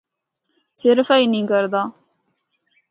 صرف ایہی نینھ کردا۔